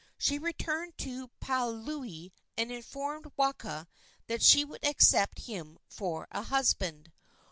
She returned to Paliuli and informed Waka that she would accept him for a husband.